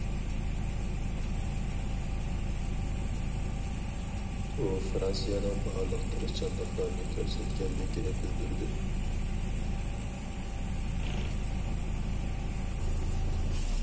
ئۇ، فىرانسىيەنىڭ بارلىق تىرىشچانلىقلارنى كۆرسەتكەنلىكىنى بىلدۈردى.